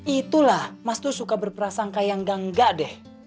itulah mas tuh suka berperasaan kayak yang enggak enggak deh